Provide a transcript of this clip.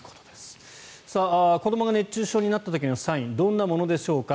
子どもが熱中症になった時のサインどんなものでしょうか。